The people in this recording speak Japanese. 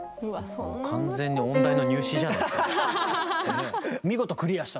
完全に音大の入試じゃないですか。はあ。